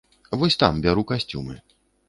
Вось там бяру касцюмы.